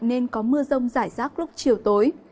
nên có mưa rông giải rác lúc chiều tối